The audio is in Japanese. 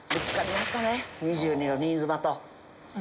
２２の新妻と。